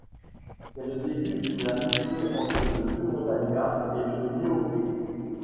C'est le début d'une amitié entre le vieux montagnard et le néophyte.